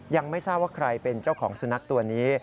ยังไม่ทราบว่าใครเป็นเจ้าของสุนัขตัวนี้